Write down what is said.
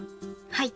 はい。